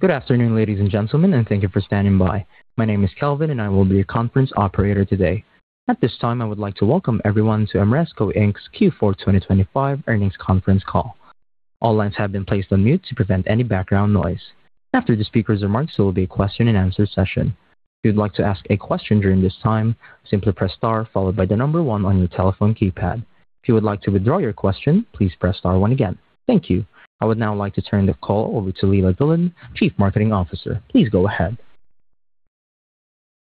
Good afternoon, ladies and gentlemen. Thank you for standing by. My name is Kelvin, and I will be your conference operator today. At this time, I would like to welcome everyone to Ameresco, Inc.'s Q4 2025 earnings conference call. All lines have been placed on mute to prevent any background noise. After the speaker's remarks, there will be a question-and-answer session. If you'd like to ask a question during this time, simply press star followed by the number one on your telephone keypad. If you would like to withdraw your question, please press star one again. Thank you. I would now like to turn the call over to Leila Dillon, Chief Marketing Officer. Please go ahead.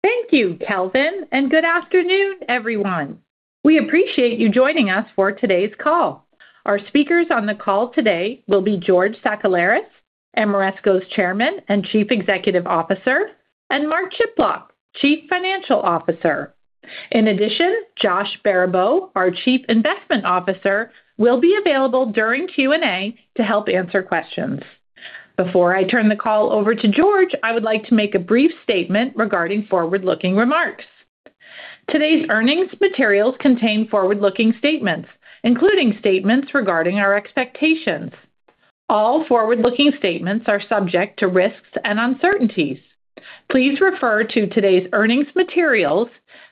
Thank you, Kelvin, and good afternoon, everyone. We appreciate you joining us for today's call. Our speakers on the call today will be George Sakellaris, Ameresco's Chairman and Chief Executive Officer, and Mark Chiplock, Chief Financial Officer. In addition, Joshua Baribeau, our Chief Investment Officer, will be available during Q&A to help answer questions. Before I turn the call over to George, I would like to make a brief statement regarding forward-looking remarks. Today's earnings materials contain forward-looking statements, including statements regarding our expectations. All forward-looking statements are subject to risks and uncertainties. Please refer to today's earnings materials,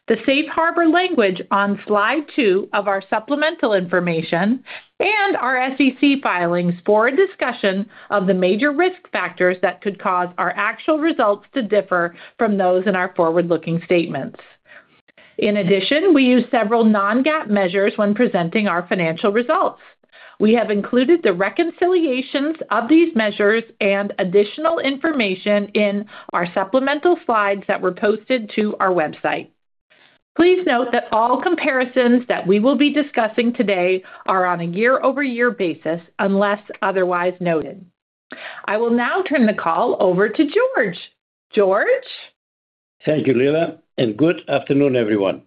the safe harbor language on slide 2 of our supplemental information, and our SEC filings for a discussion of the major risk factors that could cause our actual results to differ from those in our forward-looking statements. In addition, we use several non-GAAP measures when presenting our financial results. We have included the reconciliations of these measures and additional information in our supplemental slides that were posted to our website. Please note that all comparisons that we will be discussing today are on a year-over-year basis, unless otherwise noted. I will now turn the call over to George. George? Thank you, Leila, and good afternoon, everyone.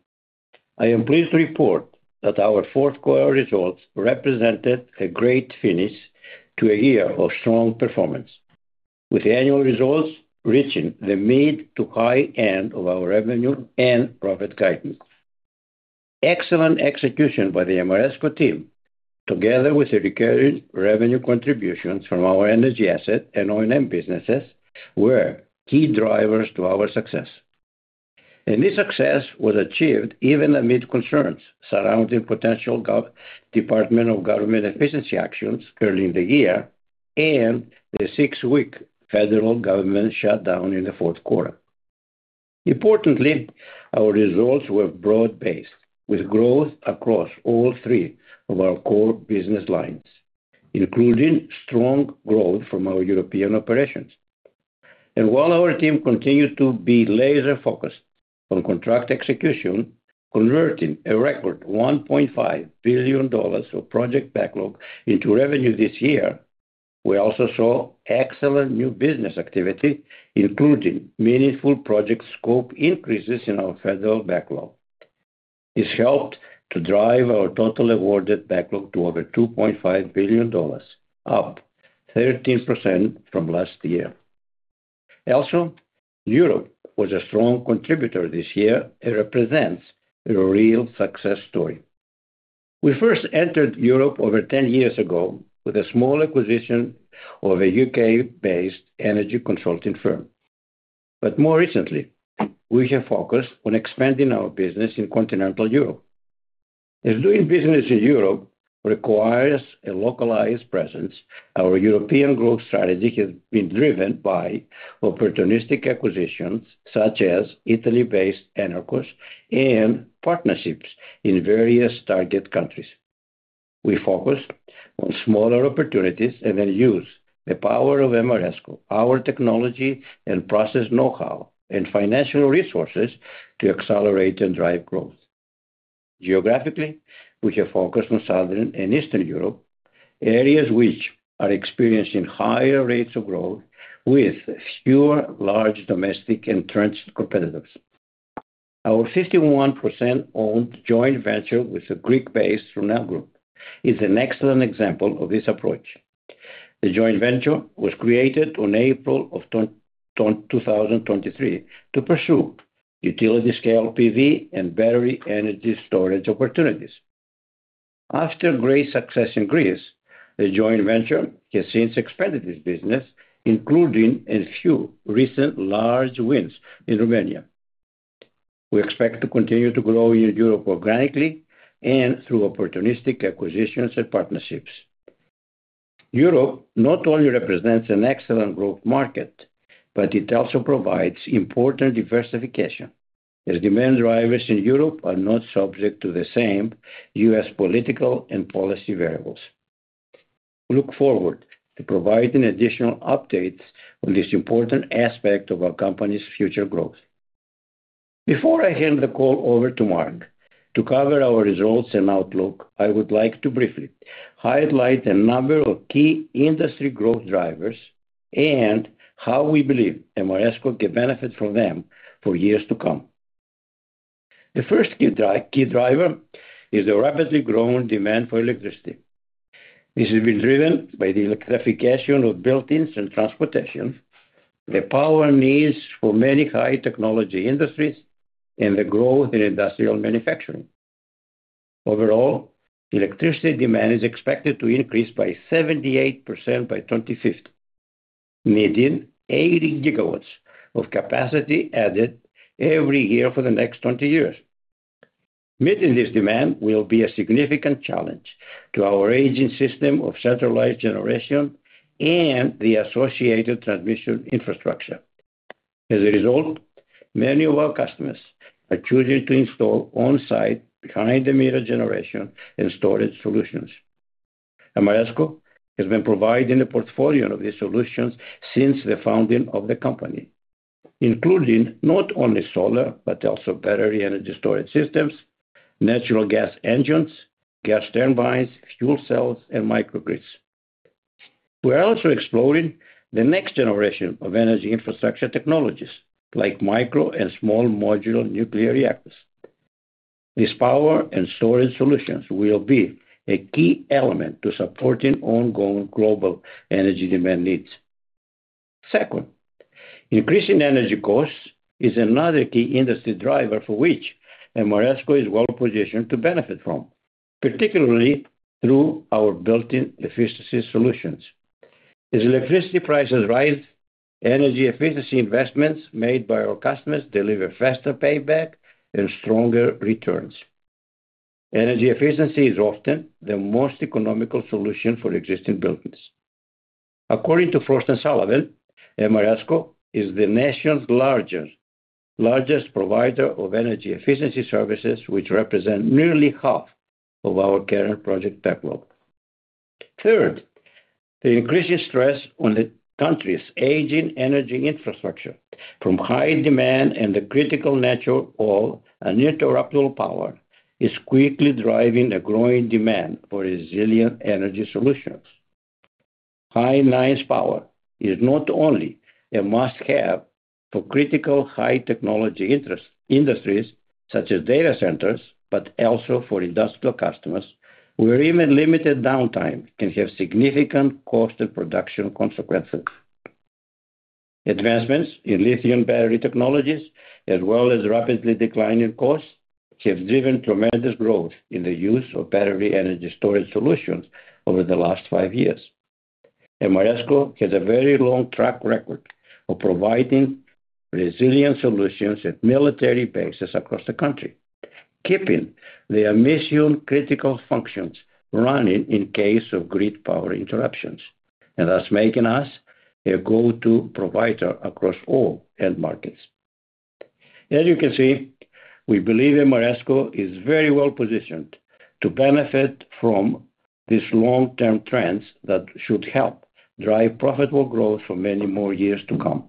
I am pleased to report that our fourth quarter results represented a great finish to a year of strong performance, with annual results reaching the mid to high end of our revenue and profit guidance. Excellent execution by the Ameresco team, together with recurring revenue contributions from our energy asset and O&M businesses, were key drivers to our success. This success was achieved even amid concerns surrounding potential Department of Government efficiency actions early in the year and the six-week federal government shutdown in the fourth quarter. Importantly, our results were broad-based, with growth across all three of our core business lines, including strong growth from our European operations. While our team continued to be laser-focused on contract execution, converting a record $1.5 billion of project backlog into revenue this year, we also saw excellent new business activity, including meaningful project scope increases in our federal backlog. This helped to drive our total awarded backlog to over $2.5 billion, up 13% from last year. Europe was a strong contributor this year and represents a real success story. We first entered Europe over 10 years ago with a small acquisition of a UK-based energy consulting firm. More recently, we have focused on expanding our business in continental Europe. Doing business in Europe requires a localized presence, our European growth strategy has been driven by opportunistic acquisitions, such as Italy-based Enerqos, and partnerships in various target countries. We focus on smaller opportunities and then use the power of Ameresco, our technology and process know-how, and financial resources to accelerate and drive growth. Geographically, we have focused on Southern and Eastern Europe, areas which are experiencing higher rates of growth with fewer large domestic entrenched competitors. Our 51% owned joint venture with the Greek-based TERNA Group is an excellent example of this approach. The joint venture was created on April of 2023 to pursue utility-scale PV and battery energy storage opportunities. After great success in Greece, the joint venture has since expanded its business, including a few recent large wins in Romania. We expect to continue to grow in Europe organically and through opportunistic acquisitions and partnerships. Europe not only represents an excellent growth market, but it also provides important diversification, as demand drivers in Europe are not subject to the same U.S. political and policy variables. Look forward to providing additional updates on this important aspect of our company's future growth. Before I hand the call over to Mark to cover our results and outlook, I would like to briefly highlight a number of key industry growth drivers and how we believe Ameresco can benefit from them for years to come. The first key driver is the rapidly growing demand for electricity. This has been driven by the electrification of buildings and transportation, the power needs for many high technology industries, and the growth in industrial manufacturing. Overall, electricity demand is expected to increase by 78% by 2050, needing 80 GW of capacity added every year for the next 20 years. Meeting this demand will be a significant challenge to our aging system of centralized generation and the associated transmission infrastructure. As a result, many of our customers are choosing to install on-site behind the meter generation and storage solutions. Ameresco has been providing a portfolio of these solutions since the founding of the company, including not only solar, but also battery energy storage systems, natural gas engines, gas turbines, fuel cells, and microgrids. We're also exploring the next generation of energy infrastructure technologies like micro and small modular nuclear reactors. These power and storage solutions will be a key element to supporting ongoing global energy demand needs. Second, increasing energy costs is another key industry driver for which Ameresco is well-positioned to benefit from, particularly through our built-in efficiency solutions. As electricity prices rise, energy efficiency investments made by our customers deliver faster payback and stronger returns. Energy efficiency is often the most economical solution for existing buildings. According to Frost & Sullivan, Ameresco is the nation's largest provider of energy efficiency services, which represent nearly half of our current project backlog. Third, the increasing stress on the country's aging energy infrastructure from high demand and the critical nature of uninterruptible power is quickly driving a growing demand for resilient energy solutions. High-nines power is not only a must-have for critical high technology industries such as data centers, but also for industrial customers where even limited downtime can have significant cost and production consequences. Advancements in lithium battery technologies, as well as rapidly declining costs, have driven tremendous growth in the use of battery energy storage solutions over the last 5 years. Ameresco has a very long track record of providing resilient solutions at military bases across the country, keeping their mission-critical functions running in case of grid power interruptions, and thus making us a go-to provider across all end markets. As you can see, we believe Ameresco is very well positioned to benefit from these long-term trends that should help drive profitable growth for many more years to come.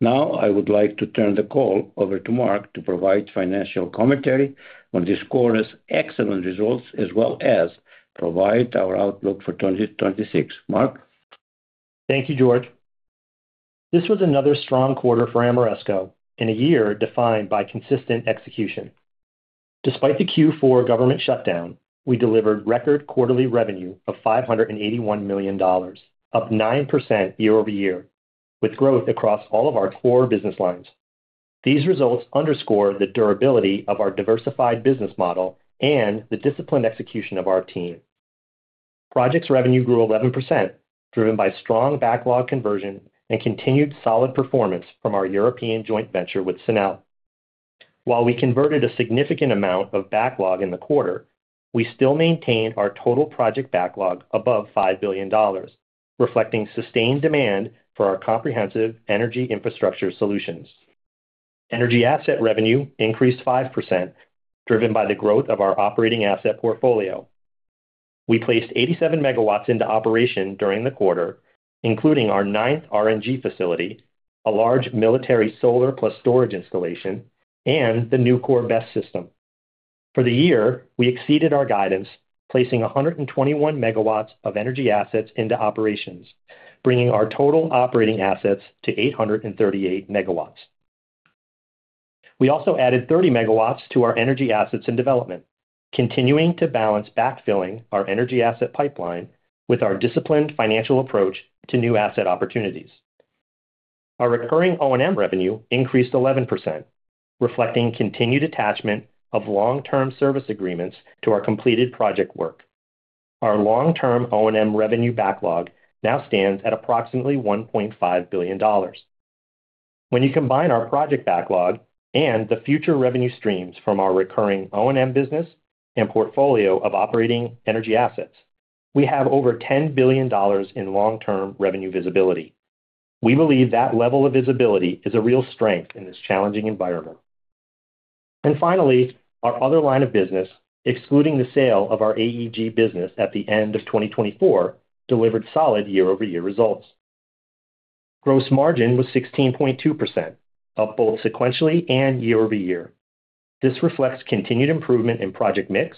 Now, I would like to turn the call over to Mark to provide financial commentary on this quarter's excellent results, as well as provide our outlook for 2026. Mark? Thank you, George. This was another strong quarter for Ameresco in a year defined by consistent execution. Despite the Q4 government shutdown, we delivered record quarterly revenue of $581 million, up 9% year-over-year, with growth across all of our core business lines. These results underscore the durability of our diversified business model and the disciplined execution of our team. Projects revenue grew 11%, driven by strong backlog conversion and continued solid performance from our European joint venture with Sunel. While we converted a significant amount of backlog in the quarter, we still maintain our total project backlog above $5 billion, reflecting sustained demand for our comprehensive energy infrastructure solutions. Energy asset revenue increased 5%, driven by the growth of our operating asset portfolio. We placed 87 MW into operation during the quarter, including our nineth RNG facility, a large military solar plus storage installation, and the Nucor BESS system. For the year, we exceeded our guidance, placing 121 MW of energy assets into operations, bringing our total operating assets to 838 MW. We also added 30 MW to our energy assets in development, continuing to balance backfilling our energy asset pipeline with our disciplined financial approach to new asset opportunities. Our recurring O&M revenue increased 11%, reflecting continued attachment of long-term service agreements to our completed project work. Our long-term O&M revenue backlog now stands at approximately $1.5 billion. When you combine our project backlog and the future revenue streams from our recurring O&M business and portfolio of operating energy assets, we have over $10 billion in long-term revenue visibility. We believe that level of visibility is a real strength in this challenging environment. Finally, our other line of business, excluding the sale of our AEG business at the end of 2024, delivered solid year-over-year results. Gross margin was 16.2%, up both sequentially and year-over-year. This reflects continued improvement in project mix,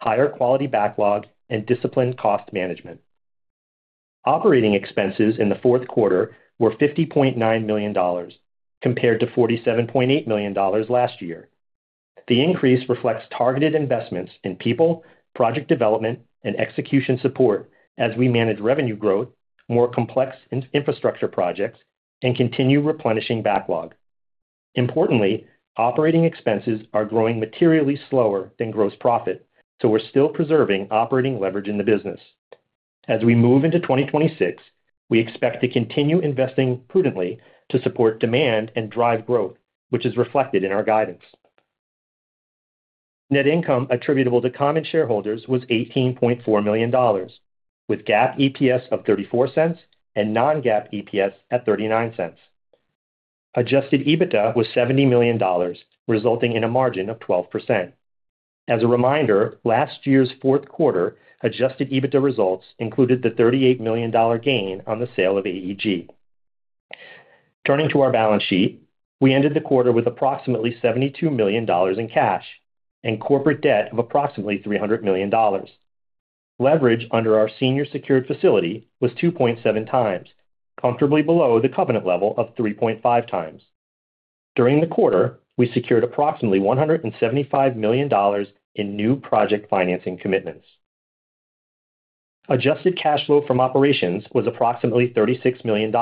higher quality backlog, and disciplined cost management. Operating expenses in the fourth quarter were $50.9 million compared to $47.8 million last year. The increase reflects targeted investments in people, project development, and execution support as we manage revenue growth, more complex infrastructure projects, and continue replenishing backlog. Importantly, operating expenses are growing materially slower than gross profit, so we're still preserving operating leverage in the business. As we move into 2026, we expect to continue investing prudently to support demand and drive growth, which is reflected in our guidance. Net income attributable to common shareholders was $18.4 million, with GAAP EPS of $0.34 and non-GAAP EPS at $0.39. Adjusted EBITDA was $70 million, resulting in a margin of 12%. As a reminder, last year's fourth quarter Adjusted EBITDA results included the $38 million gain on the sale of AEG. Turning to our balance sheet, we ended the quarter with approximately $72 million in cash and corporate debt of approximately $300 million. Leverage under our senior secured facility was 2.7 times, comfortably below the covenant level of 3.5 times. During the quarter, we secured approximately $175 million in new project financing commitments. Adjusted cash flow from operations was approximately $36 million,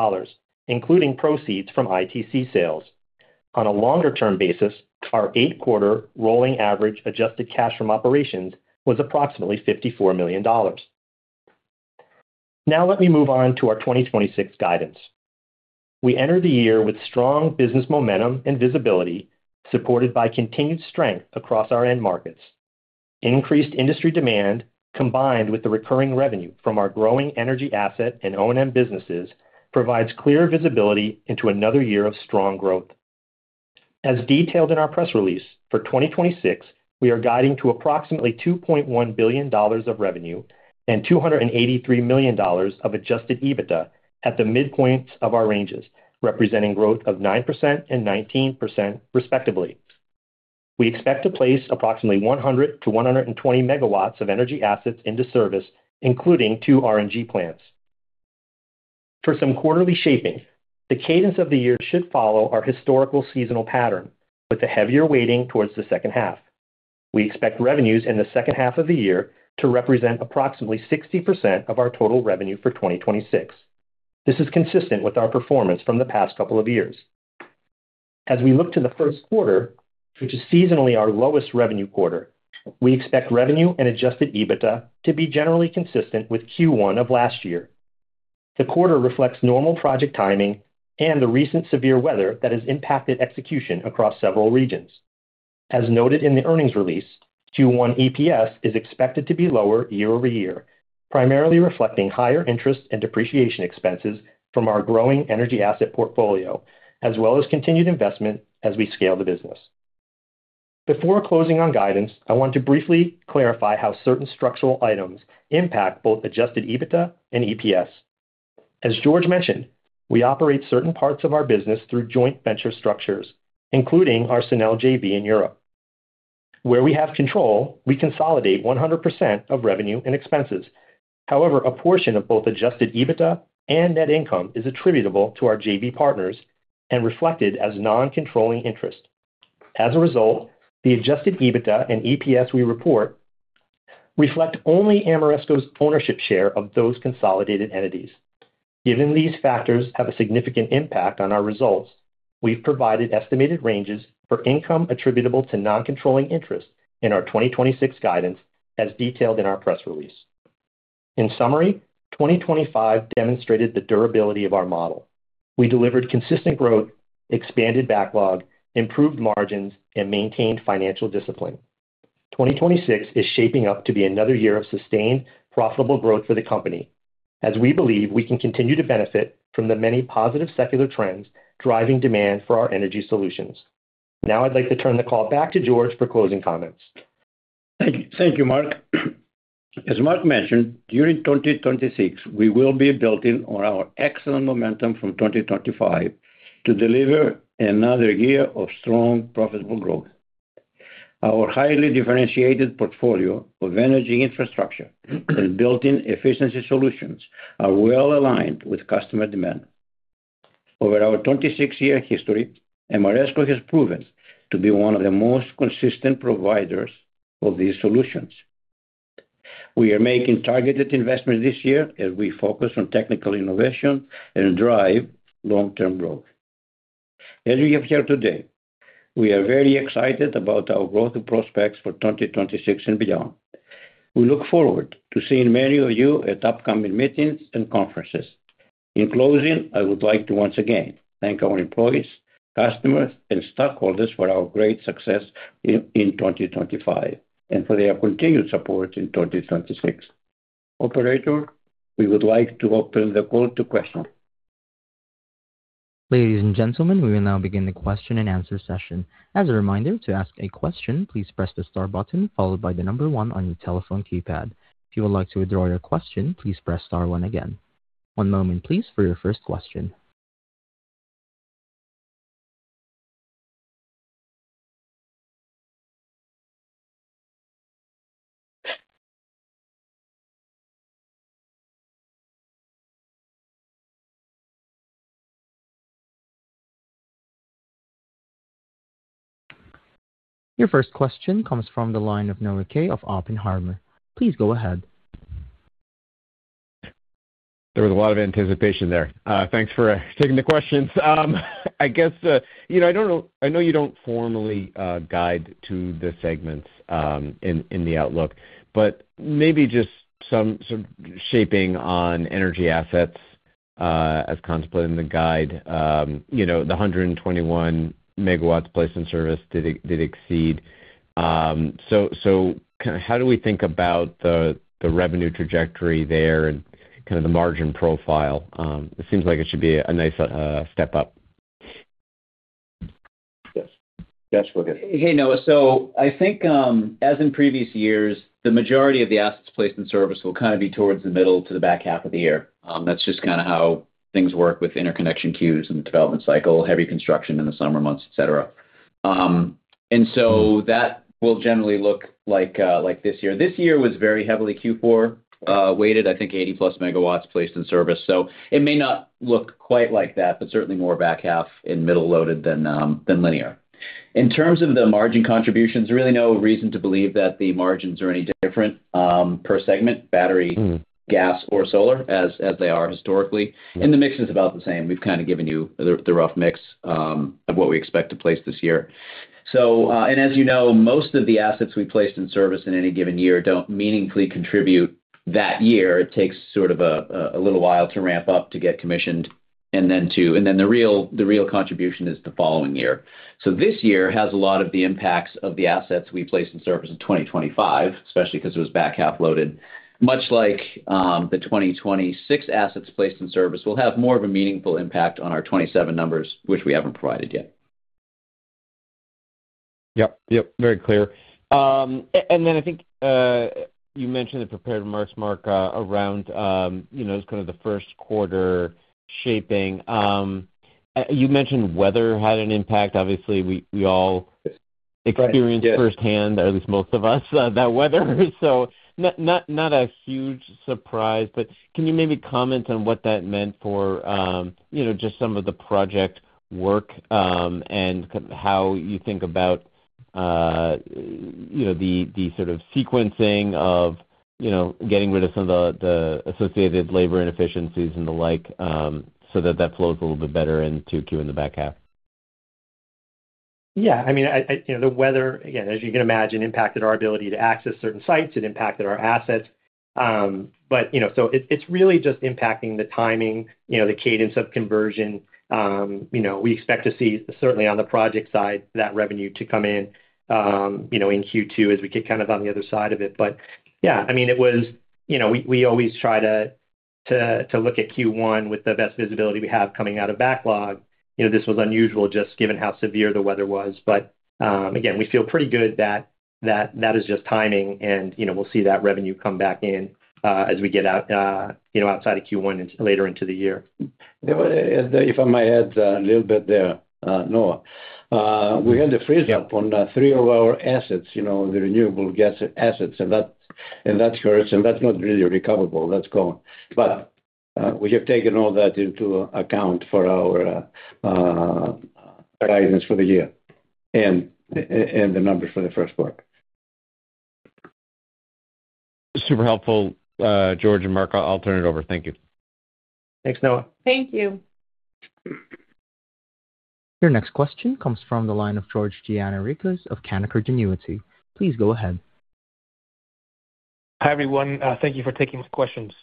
including proceeds from ITC sales. On a longer-term basis, our 8-quarter rolling average adjusted cash from operations was approximately $54 million. Let me move on to our 2026 guidance. We enter the year with strong business momentum and visibility, supported by continued strength across our end markets. Increased industry demand, combined with the recurring revenue from our growing energy asset and O&M businesses, provides clear visibility into another year of strong growth. As detailed in our press release, for 2026, we are guiding to approximately $2.1 billion of revenue and $283 million of adjusted EBITDA at the midpoint of our ranges, representing growth of 9% and 19% respectively. Some quarterly shaping, the cadence of the year should follow our historical seasonal pattern with a heavier weighting towards the second half. We expect revenues in the second half of the year to represent approximately 60% of our total revenue for 2026. This is consistent with our performance from the past couple of years. We look to the first quarter, which is seasonally our lowest revenue quarter, we expect revenue and adjusted EBITDA to be generally consistent with Q1 of last year. The quarter reflects normal project timing and the recent severe weather that has impacted execution across several regions. As noted in the earnings release, Q1 EPS is expected to be lower year-over-year, primarily reflecting higher interest and depreciation expenses from our growing energy asset portfolio, as well as continued investment as we scale the business. Before closing on guidance, I want to briefly clarify how certain structural items impact both adjusted EBITDA and EPS. As George mentioned, we operate certain parts of our business through joint venture structures, including our Sunel JV in Europe. Where we have control, we consolidate 100% of revenue and expenses. A portion of both adjusted EBITDA and net income is attributable to our JV partners and reflected as non-controlling interest. The adjusted EBITDA and EPS we report reflect only Ameresco's ownership share of those consolidated entities. Given these factors have a significant impact on our results, we've provided estimated ranges for income attributable to non-controlling interest in our 2026 guidance as detailed in our press release. 2025 demonstrated the durability of our model. We delivered consistent growth, expanded backlog, improved margins, and maintained financial discipline. 2026 is shaping up to be another year of sustained, profitable growth for the company as we believe we can continue to benefit from the many positive secular trends driving demand for our energy solutions. I'd like to turn the call back to George for closing comments. Thank you, Mark. As Mark mentioned, during 2026, we will be building on our excellent momentum from 2025 to deliver another year of strong profitable growth. Our highly differentiated portfolio of energy infrastructure and built-in efficiency solutions are well aligned with customer demand. Over our 26-year history, Ameresco has proven to be one of the most consistent providers of these solutions. We are making targeted investments this year as we focus on technical innovation and drive long-term growth. As you have heard today, we are very excited about our growth prospects for 2026 and beyond. We look forward to seeing many of you at upcoming meetings and conferences. In closing, I would like to once again thank our employees, customers, and stockholders for our great success in 2025 and for their continued support in 2026. Operator, we would like to open the call to questions. Ladies and gentlemen, we will now begin the question and answer session. As a reminder, to ask a question, please press the star button followed by the one on your telephone keypad. If you would like to withdraw your question, please press star one again. One moment please for your first question. Your first question comes from the line of Noah Kaye. of Oppenheimer. Please go ahead. There was a lot of anticipation there. Thanks for taking the questions. I guess, you know, I know you don't formally guide to the segments in the outlook, but maybe just some shaping on energy assets as contemplated in the guide. You know, the 121 MW placed in service did exceed. Kind of how do we think about the revenue trajectory there and kind of the margin profile? It seems like it should be a nice step-up. Yes. Josh, go ahead. Hey, Noah. I think, as in previous years, the majority of the assets placed in service will kind of be towards the middle to the back half of the year. That's just kind of how things work with interconnection queues and development cycle, heavy construction in the summer months, et cetera. That will generally look like this year. This year was very heavily Q4 weighted, I think 80-plus MW placed in service. It may not look quite like that, but certainly more back half and middle-loaded than linear. In terms of the margin contributions, really no reason to believe that the margins are any different per segment. Mm. -gas or solar, as they are historically. The mix is about the same. We've kind of given you the rough mix of what we expect to place this year. As you know, most of the assets we placed in service in any given year don't meaningfully contribute that year. It takes sort of a little while to ramp up to get commissioned and then to. Then the real, the real contribution is the following year. This year has a lot of the impacts of the assets we placed in service in 2025, especially 'cause it was back half loaded. Much like the 2026 assets placed in service will have more of a meaningful impact on our 2027 numbers, which we haven't provided yet. Yep. Yep, very clear. Then I think, you mentioned the prepared remarks, Mark, around, you know, just kind of the first quarter shaping. You mentioned weather had an impact. Obviously, we all- Right. Yes. -experienced firsthand, or at least most of us, that weather. Not, not a huge surprise. Can you maybe comment on what that meant for, you know, just some of the project work, and how you think about, you know, the sort of sequencing of, you know, getting rid of some of the associated labor inefficiencies and the like, so that that flows a little bit better into Q in the back half? Yeah. I mean, you know, the weather, again, as you can imagine, impacted our ability to access certain sites. It impacted our assets. You know, it's really just impacting the timing, you know, the cadence of conversion. You know, we expect to see certainly on the project side, that revenue to come in, you know, in Q2 as we get kind of on the other side of it. Yeah, I mean, it was. You know, we always try to look at Q1 with the best visibility we have coming out of backlog. You know, this was unusual just given how severe the weather was. Again, we feel pretty good that is just timing and, you know, we'll see that revenue come back in, as we get out, you know, outside of Q1 and later into the year. If I may add a little bit there, Noah. We had a freeze-up. Yeah. on three of our assets, you know, the renewable gas assets. That, and that's current, and that's not really recoverable, that's gone. We have taken all that into account for our horizons for the year and the numbers for the first quarter. Super helpful, George and Mark. I'll turn it over. Thank you. Thanks, Noah. Thank you. Your next question comes from the line of George Gianarikas of Canaccord Genuity. Please go ahead. Hi, everyone. Thank you for taking the questions.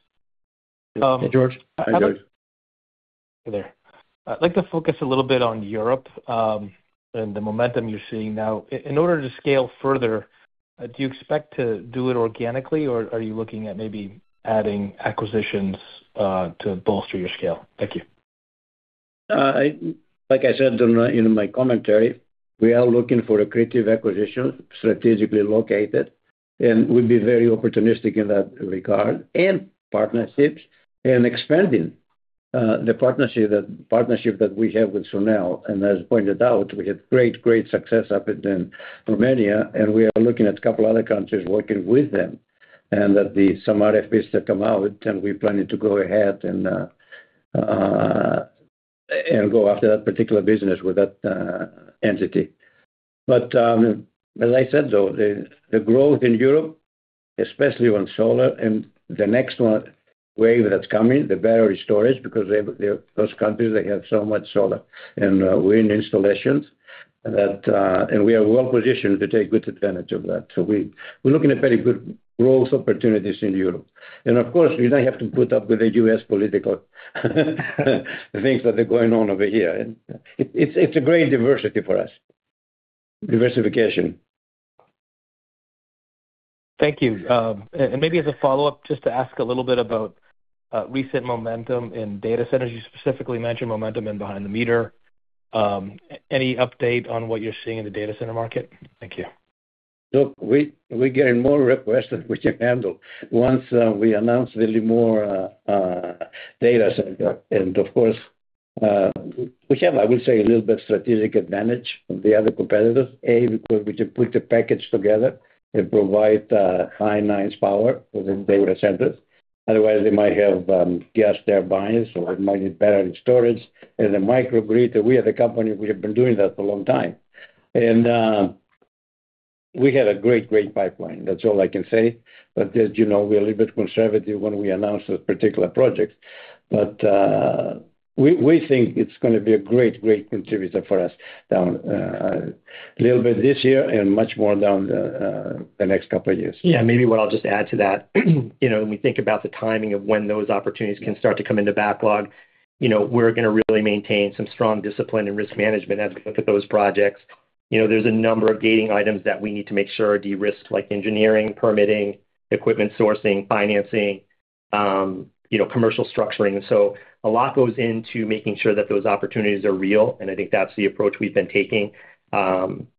Hey, George. Hi, George. Hey there. I'd like to focus a little bit on Europe, and the momentum you're seeing now. In order to scale further, do you expect to do it organically, or are you looking at maybe adding acquisitions to bolster your scale? Thank you. Like I said in my commentary, we are looking for accretive acquisitions strategically located, and we'd be very opportunistic in that regard, and partnerships and expanding the partnership that we have with Sunel. As pointed out, we had great success up in Romania, and we are looking at a couple other countries working with them. Some RFPs that come out, and we're planning to go ahead and go after that particular business with that entity. As I said, though, the growth in Europe, especially on solar and the next wave that's coming, the battery storage, because those countries, they have so much solar and wind installations that. We are well-positioned to take good advantage of that. We are looking at very good growth opportunities in Europe. Of course, we don't have to put up with the U.S. political things that are going on over here. It's, it's a great diversity for us. Diversification. Thank you. Maybe as a follow-up, just to ask a little bit about, recent momentum in data centers. You specifically mentioned momentum in behind the meter. Any update on what you're seeing in the data center market? Thank you. Look, we're getting more requests than we can handle. Once we announce the Limor data center and of course, we have, I will say, a little bit of strategic advantage of the other competitors. Because we can put the package together and provide high-nines power for the data centers. Otherwise, they might have gas turbines or it might need battery storage and a microgrid. We as a company, we have been doing that for a long time. We had a great pipeline. That's all I can say. As you know, we're a little bit conservative when we announce those particular projects. We think it's gonna be a great contributor for us down little bit this year and much more down the next couple of years. Yeah. Maybe what I'll just add to that, you know, when we think about the timing of when those opportunities can start to come into backlog, you know, we're gonna really maintain some strong discipline and risk management as we look at those projects. You know, there's a number of gating items that we need to make sure are de-risked, like engineering, permitting, equipment sourcing, financing, you know, commercial structuring. A lot goes into making sure that those opportunities are real, and I think that's the approach we've been taking,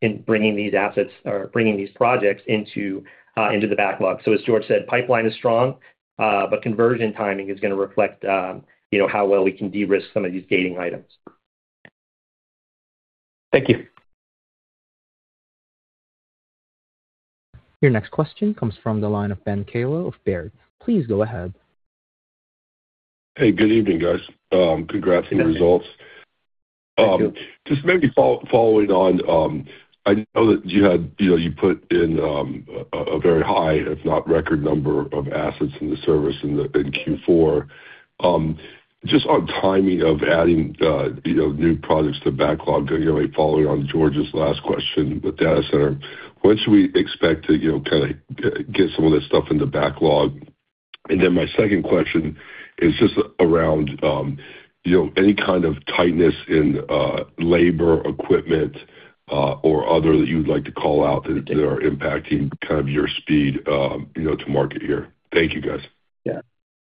in bringing these assets or bringing these projects into the backlog. As George said, pipeline is strong, but conversion timing is gonna reflect, you know, how well we can de-risk some of these gating items. Thank you. Your next question comes from the line of Ben Kallo of Baird. Please go ahead. Hey, good evening, guys. Congrats on the results. Thank you. just maybe following on, I know that you had, you know, you put in a very high, if not record number of assets in the service in Q4. just on timing of adding, you know, new products to backlog, you know, following on George's last question with data center, when should we expect to, you know, get some of that stuff in the backlog? My second question is just around, you know, any kind of tightness in labor, equipment, or other that you'd like to call out that are impacting kind of your speed, you know, to market here. Thank you, guys.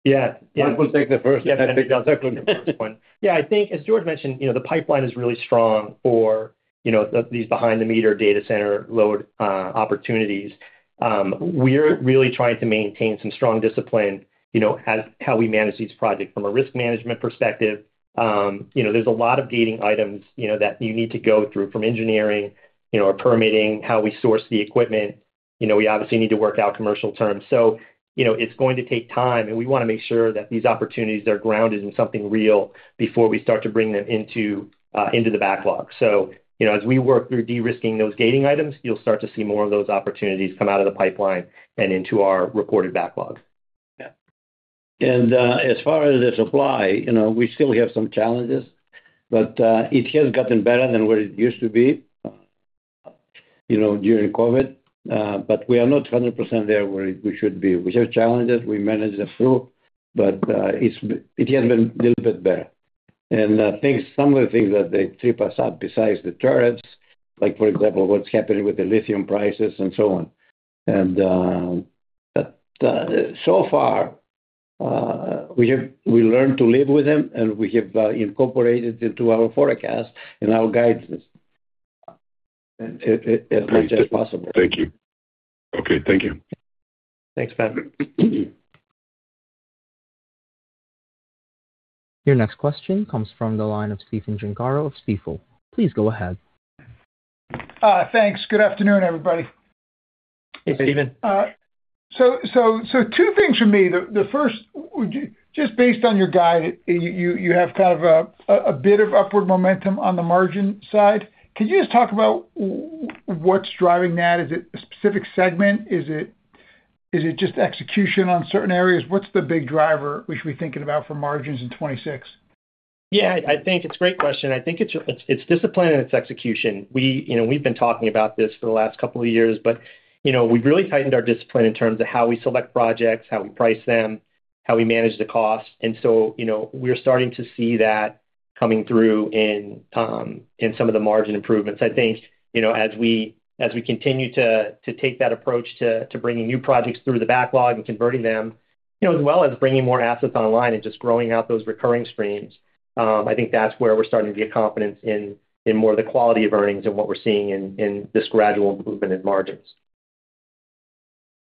Yeah. Yeah. I will take the first and Patrick can take the second one. Yeah, I think as George mentioned, you know, the pipeline is really strong for, you know, these behind the meter data center load, opportunities. We're really trying to maintain some strong discipline, you know, as how we manage these projects from a risk management perspective. You know, there's a lot of gating items, you know, that you need to go through from engineering, you know, permitting, how we source the equipment. You know, we obviously need to work out commercial terms. It's going to take time, and we wanna make sure that these opportunities are grounded in something real before we start to bring them into the backlog. As we work through de-risking those gating items, you'll start to see more of those opportunities come out of the pipeline and into our reported backlog. Yeah. As far as the supply, you know, we still have some challenges, but it has gotten better than what it used to be, you know, during COVID. We are not 100% there where we should be. We have challenges, we manage the flow, but it has been little bit better. Some of the things that they trip us up besides the tariffs, like, for example, what's happening with the lithium prices and so on. So far, we learned to live with them, and we have incorporated into our forecast and our guidance as much as possible. Thank you. Okay, thank you. Thanks, Ben. Your next question comes from the line of Stephen Gengaro of Stifel. Please go ahead. Thanks. Good afternoon, everybody. Hey, Stephen. Two things from me. The first, would you just based on your guide, you have kind of a bit of upward momentum on the margin side. Could you just talk about what's driving that? Is it a specific segment? Is it just execution on certain areas? What's the big driver we should be thinking about for margins in 2026? I think it's a great question. I think it's discipline and it's execution. We, you know, we've been talking about this for the last couple of years, but, you know, we've really tightened our discipline in terms of how we select projects, how we price them, how we manage the cost. You know, we're starting to see that coming through in some of the margin improvements. I think, you know, as we continue to take that approach to bringing new projects through the backlog and converting them, you know, as well as bringing more assets online and just growing out those recurring streams, I think that's where we're starting to get confidence in more of the quality of earnings and what we're seeing in this gradual movement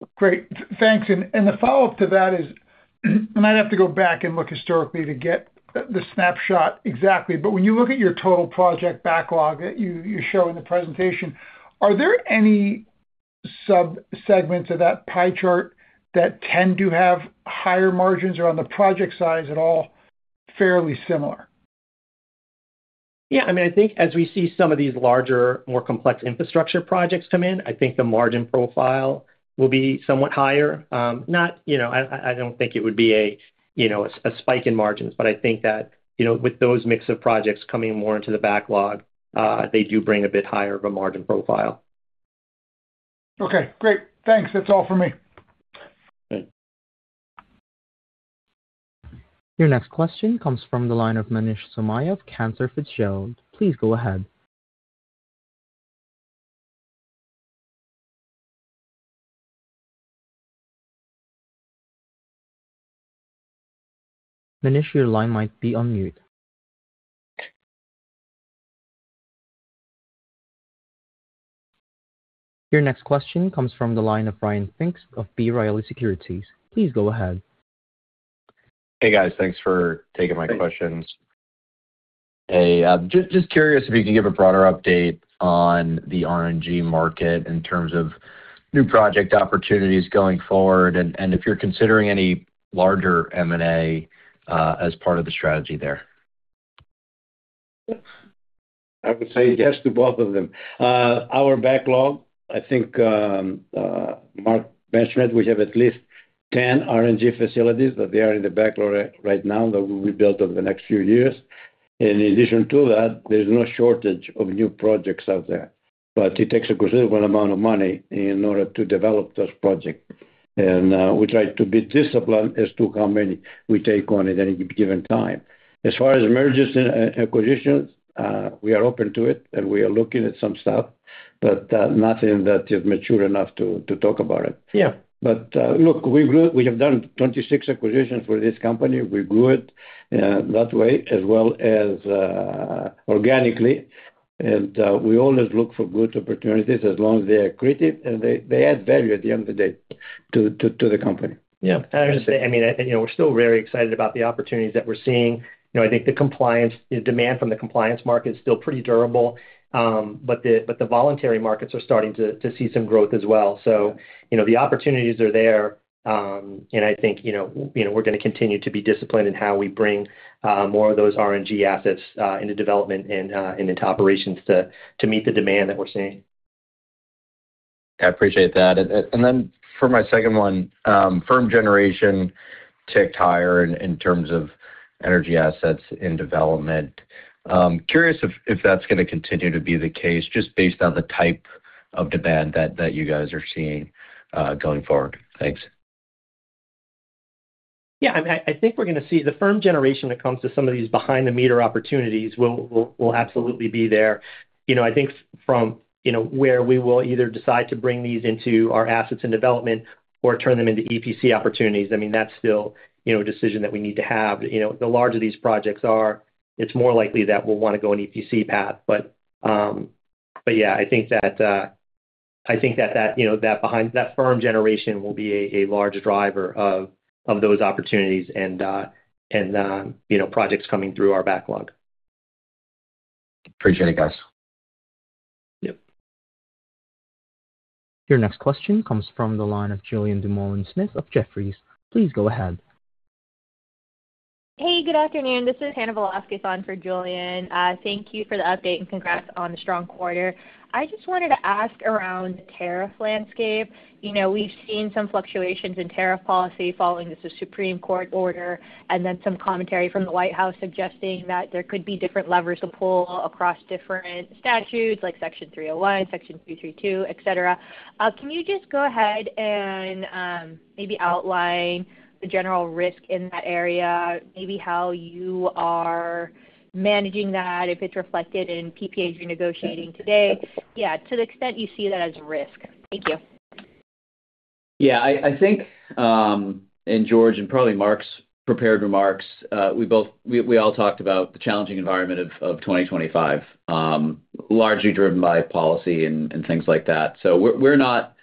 in margins. Great. Thanks. The follow-up to that is, I'd have to go back and look historically to get the snapshot exactly, but when you look at your total project backlog that you show in the presentation, are there any sub-segments of that pie chart that tend to have higher margins or on the project size at all fairly similar? I mean, I think as we see some of these larger, more complex infrastructure projects come in, I think the margin profile will be somewhat higher. Not, you know, I don't think it would be a, you know, a spike in margins, but I think that, you know, with those mix of projects coming more into the backlog, they do bring a bit higher of a margin profile. Okay, great. Thanks. That's all for me. Great. Your next question comes from the line of Manish Somaiya of Cantor Fitzgerald. Please go ahead. Manish, your line might be on mute. Your next question comes from the line of Ryan Finks of B. Riley Securities. Please go ahead. Hey, guys. Thanks for taking my questions. Hey, just curious if you could give a broader update on the RNG market in terms of new project opportunities going forward and if you're considering any larger M&A as part of the strategy there? I would say yes to both of them. Our backlog, I think, Mark mentioned we have at least 10 RNG facilities that they are in the backlog right now that will be built over the next few years. In addition to that, there's no shortage of new projects out there, but it takes a considerable amount of money in order to develop those projects. We try to be disciplined as to how many we take on at any given time. As far as mergers and acquisitions, we are open to it, and we are looking at some stuff, but nothing that is mature enough to talk about it. Yeah. Look, we have done 26 acquisitions for this company. We grew it, that way as well as, organically. We always look for good opportunities as long as they are accretive and they add value at the end of the day to the company. I understand. I mean, you know, we're still very excited about the opportunities that we're seeing. I think the demand from the compliance market is still pretty durable, but the voluntary markets are starting to see some growth as well. The opportunities are there, and I think, you know, we're gonna continue to be disciplined in how we bring more of those RNG assets into development and into operations to meet the demand that we're seeing. I appreciate that. For my second one, firm generation ticked higher in terms of energy assets in development. Curious if that's gonna continue to be the case just based on the type of demand that you guys are seeing going forward. Thanks. Yeah. I mean, I think we're gonna see the firm generation that comes to some of these behind-the-meter opportunities will absolutely be there. You know, I think from, you know, where we will either decide to bring these into our assets and development or turn them into EPC opportunities. I mean, that's still, you know, a decision that we need to have. You know, the larger these projects are, it's more likely that we'll wanna go an EPC path. Yeah, I think that, I think that that, you know, that firm generation will be a large driver of those opportunities and, you know, projects coming through our backlog. Appreciate it, guys. Yep. Your next question comes from the line of Julien Dumoulin-Smith of Jefferies. Please go ahead. Hey, good afternoon. This is Hannah Velásquez on for Julien. Thank you for the update and congrats on the strong quarter. I just wanted to ask around tariff landscape. You know, we've seen some fluctuations in tariff policy following the Supreme Court order and then some commentary from the White House suggesting that there could be different levers to pull across different statutes like Section 301, Section 232, et cetera. Can you just go ahead and maybe outline the general risk in that area, maybe how you are managing that, if it's reflected in PPAs you're negotiating today? Yeah, to the extent you see that as risk. Thank you. Yeah. I think, in George and probably Mark's prepared remarks, we all talked about the challenging environment of 2025, largely driven by policy and things like that. We're not,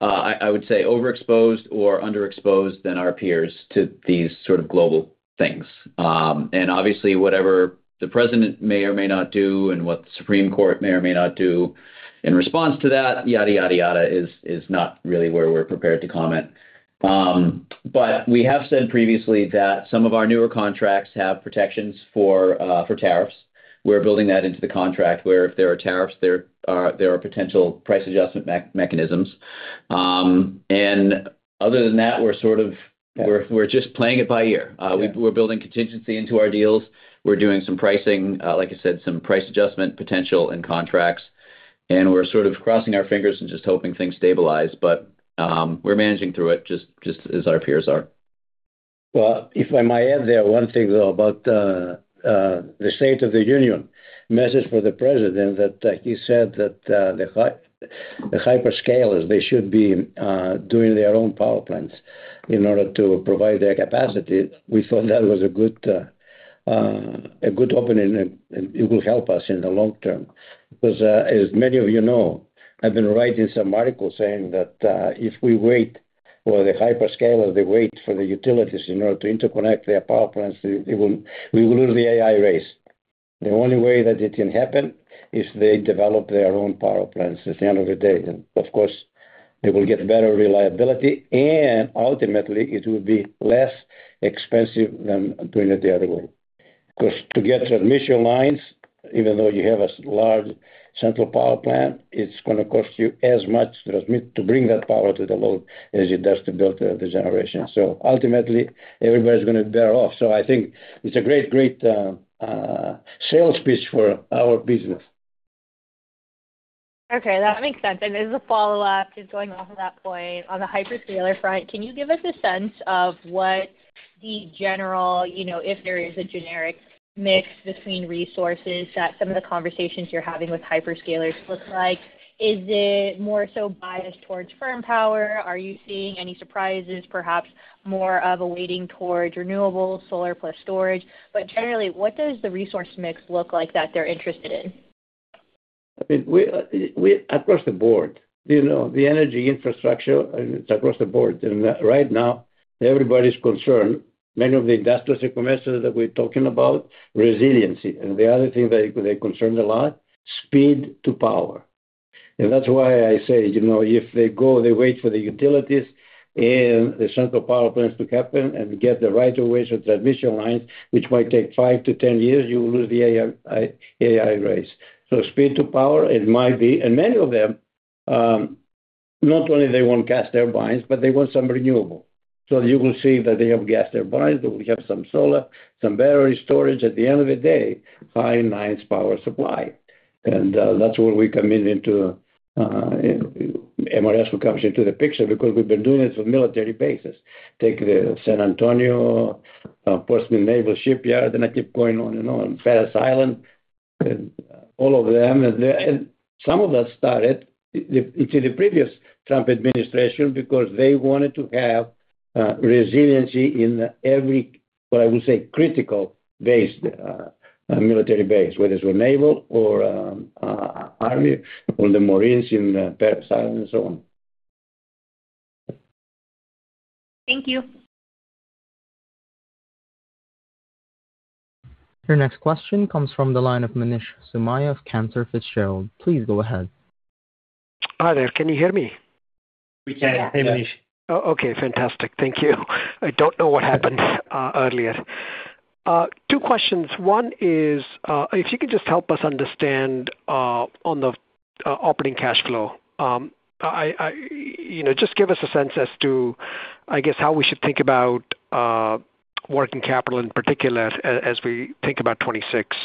I would say, overexposed or underexposed than our peers to these sort of global things. Obviously, whatever the president may or may not do and what the Supreme Court may or may not do in response to that, yada, yada, is not really where we're prepared to comment. We have said previously that some of our newer contracts have protections for tariffs. We're building that into the contract where if there are tariffs, there are potential price adjustment mechanisms. Other than that, we're just playing it by ear. We're building contingency into our deals. We're doing some pricing, like I said, some price adjustment potential in contracts, and we're sort of crossing our fingers and just hoping things stabilize. We're managing through it just as our peers are. Well, if I might add there one thing, though, about the State of the Union message for the President that he said that the hyperscalers, they should be doing their own power plants in order to provide their capacity. We thought that was a good, a good opening, and it will help us in the long term. As many of you know, I've been writing some articles saying that if we wait for the hyperscalers, they wait for the utilities in order to interconnect their power plants, we will lose the AI race. The only way that it can happen is they develop their own power plants at the end of the day. Of course, they will get better reliability, and ultimately it will be less expensive than doing it the other way. To get transmission lines, even though you have a large central power plant, it's gonna cost you as much to bring that power to the load as it does to build the generation. Ultimately, everybody's gonna bear off. I think it's a great sales pitch for our business. Okay, that makes sense. As a follow-up, just going off of that point, on the hyperscaler front, can you give us a sense of what the general, you know, if there is a generic mix between resources that some of the conversations you're having with hyperscalers look like? Is it more so biased towards firm power? Are you seeing any surprises, perhaps more of a weighting towards renewables, solar plus storage? Generally, what does the resource mix look like that they're interested in? I think we across the board. You know, the energy infrastructure, and it's across the board. Right now, everybody's concerned, many of the investors we're conversing that we're talking about resiliency. The other thing they're concerned a lot, speed to power. That's why I say, you know, if they go, they wait for the utilities and the central power plants to happen, and get the right of way, transmission lines, which might take five to 10 years, you will lose the AI race. Speed to power, it might be. Many of them, not only they want gas turbines, but they want some renewable. You will see that they have gas turbines, but we have some solar, some battery storage. At the end of the day, high-nines power supply. That's where we come in into MRX comes into the picture because we've been doing this with military bases. Take the San Antonio Norfolk Naval Shipyard, I keep going on and on, Parris Island, and all of them. Some of us started it in the previous Trump administration because they wanted to have resiliency in every, what I would say, critical base, military base, whether it's a naval or army or the Marines in Parris Island and so on. Thank you. Your next question comes from the line of Manish Sharma of Cantor Fitzgerald. Please go ahead. Hi there. Can you hear me? We can. Hey, Manish. Oh, okay. Fantastic. Thank you. I don't know what happened earlier. Two questions. One is, if you could just help us understand on the operating cash flow. You know, just give us a sense as to, I guess, how we should think about working capital in particular as we think about 26.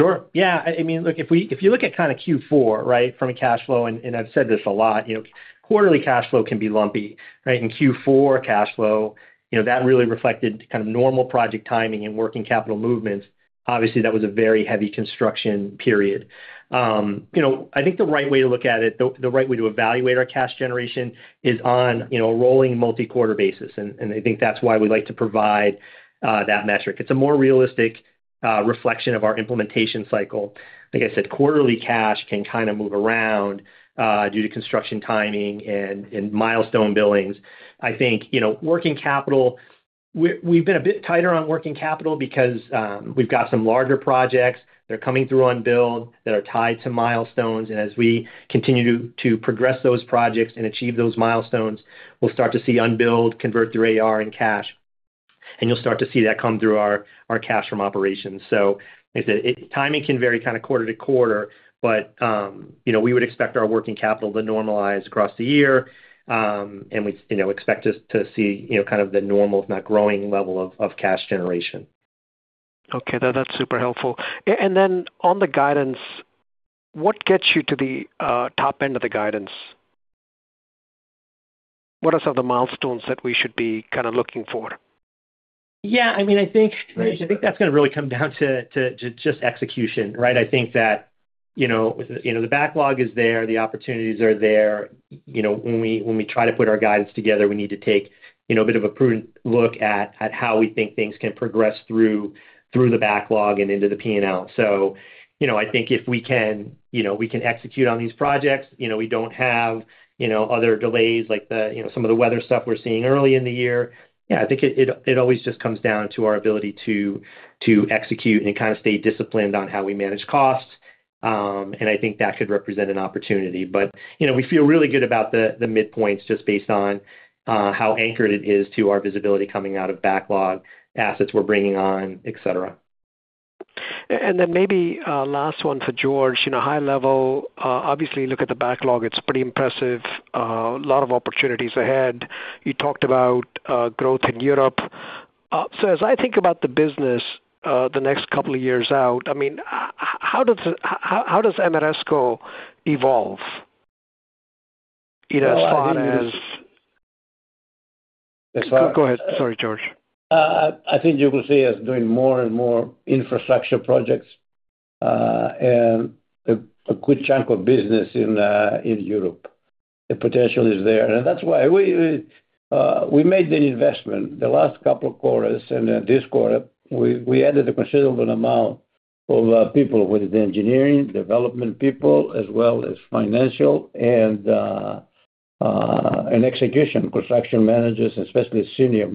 Sure. Yeah. I mean, look, if you look at kind of Q4, right, from a cash flow, and I've said this a lot, you know, quarterly cash flow can be lumpy, right? In Q4 cash flow, you know, that really reflected kind of normal project timing and working capital movements. Obviously, that was a very heavy construction period. You know, I think the right way to look at it, the right way to evaluate our cash generation is on, you know, a rolling multi-quarter basis. I think that's why we like to provide that metric. It's a more realistic reflection of our implementation cycle. Like I said, quarterly cash can kind of move around due to construction timing and milestone billings. I think, you know, working capital, we've been a bit tighter on working capital because we've got some larger projects. They're coming through unbilled that are tied to milestones. As we continue to progress those projects and achieve those milestones, we'll start to see unbilled convert through AR and cash, and you'll start to see that come through our cash from operations. Like I said, timing can vary kind of quarter-to-quarter, but, you know, we would expect our working capital to normalize across the year, and we, you know, expect us to see, you know, kind of the normal, if not growing level of cash generation. Okay. That's super helpful. Then on the guidance, what gets you to the top end of the guidance? What are some of the milestones that we should be kind of looking for? Yeah, I mean, I think, Manish, I think that's gonna really come down to just execution, right? I think that, you know, the backlog is there, the opportunities are there. You know, when we try to put our guidance together, we need to take, you know, a bit of a prudent look at how we think things can progress through the backlog and into the P&L. You know, I think if we can, you know, we can execute on these projects, you know, we don't have, you know, other delays like the, you know, some of the weather stuff we're seeing early in the year. Yeah, I think it always just comes down to our ability to execute and kind of stay disciplined on how we manage costs. I think that could represent an opportunity. You know, we feel really good about the midpoints just based on, how anchored it is to our visibility coming out of backlog assets we're bringing on, et cetera. Then maybe, last one for George. You know, high level, obviously, you look at the backlog, it's pretty impressive, a lot of opportunities ahead. You talked about growth in Europe. As I think about the business, the next couple of years out, I mean, how does microgrids evolve, you know, as far as... Well. Go ahead. Sorry, George. I think you will see us doing more and more infrastructure projects and a good chunk of business in Europe. The potential is there. That's why we made the investment the last couple of quarters, and then this quarter, we added a considerable amount of people, whether it's engineering, development people, as well as financial and execution construction managers, especially senior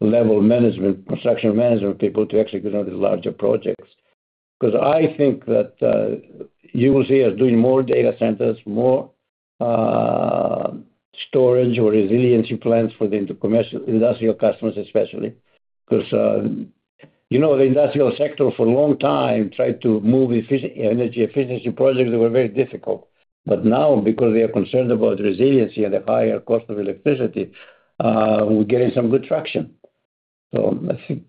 level management, construction management people to execute on these larger projects. I think that you will see us doing more data centers, more storage or resiliency plans for the industrial customers, especially. You know, the industrial sector for a long time tried to move energy efficiency projects that were very difficult. Now, because they are concerned about resiliency and the higher cost of electricity, we're getting some good traction. I think,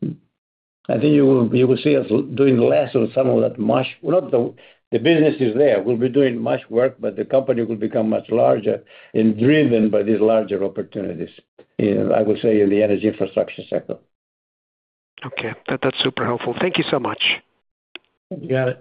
I think you will, you will see us doing less of some of that. The business is there. We'll be doing much work, but the company will become much larger and driven by these larger opportunities in, I would say, in the energy infrastructure sector. Okay. That's super helpful. Thank you so much. You got it.